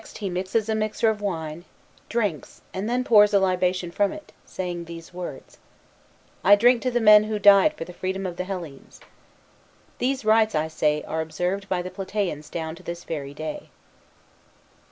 he mixes a mixer of wine, drinks, and then pours, a libation from it, saying these words: "I drink to the men who, died for the freedom ofthe Hellenes." These. rites, I say, are observed by the Plataeans down to this very day.